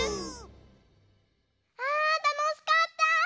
あたのしかった！ね。